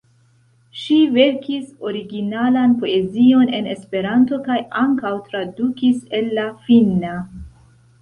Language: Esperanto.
Ŝi verkis originalan poezion en Esperanto kaj ankaŭ tradukis el la finna.